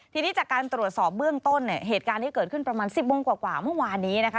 ทีนี้จากการตรวจสอบเบื้องต้นเนี่ยเหตุการณ์ที่เกิดขึ้นประมาณ๑๐โมงกว่าเมื่อวานนี้นะคะ